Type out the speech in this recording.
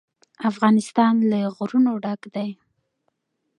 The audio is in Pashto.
افغانستان له غرونه ډک دی.